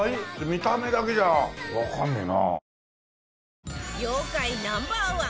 見た目だけじゃわかんないな。